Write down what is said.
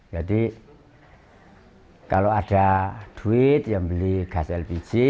jadi kalau ada duit beli gas lpg